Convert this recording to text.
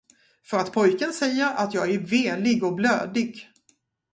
För att pojken säger att jag är velig och blödig.